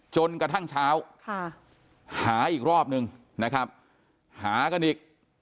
จนกระทั่งเช้าหาอีกรอบนึงนะครับหากันอีก